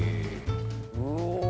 うお。